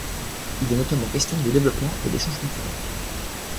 Il est notamment question de développement et d'échange culturel.